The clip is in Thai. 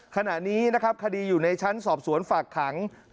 ขณะนี้คดีอยู่ในชั้นสอบสวนฝากขัง